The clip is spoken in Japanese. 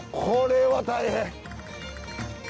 これは大変！